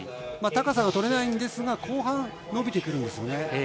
高さがとれないんですが後半に伸びてくるんですよね。